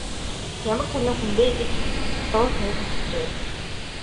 Ямар сонин хүн бэ гэж дуу тавин босжээ.